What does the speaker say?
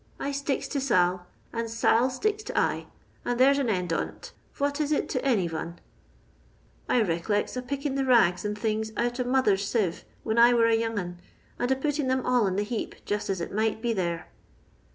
I sticks to Sail, and &dl sticks to I, and there 's an end on 't :— ^vot is it to any von 1 I rec'lects a picking the rags and things out of mother's sieve, when I were a young 'un, and a putting 'em all in the heap jist as it might be there.